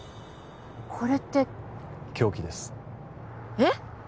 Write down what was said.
これって凶器ですえっ